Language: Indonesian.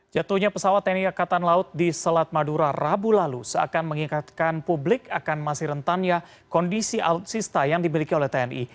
jatuhnya pesawat tni angkatan laut di selat madura rabu lalu seakan mengingatkan publik akan masih rentannya kondisi alutsista yang dimiliki oleh tni